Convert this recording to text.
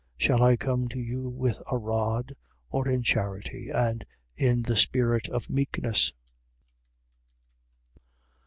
Shall I come to you with a rod? Or in charity and in the spirit of meekness?